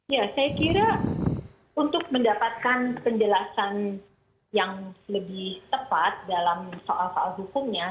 ya saya kira untuk mendapatkan penjelasan yang lebih tepat dalam soal soal hukumnya